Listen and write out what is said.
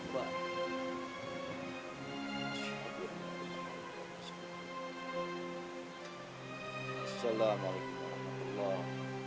kanjang sunan kanjang sunan kanjang sunan